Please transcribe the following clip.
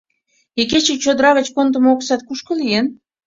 Икече чодыра гыч кондымо оксат кушко лийын?